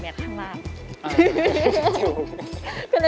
ชอบตรงเครื่องหน้าข้างบนค่ะ